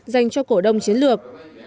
dành cho cổ đông chiến lược